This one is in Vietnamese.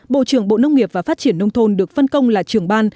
bộ trưởng bộ nông nghiệp và phát triển nông thôn được phân công là trưởng ban